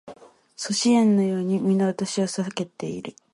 阻止円のように皆私を避けている